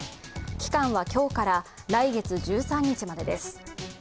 期間は今日から来月１３日までです。